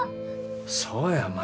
そうや舞。